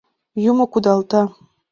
— Юмо кудалта!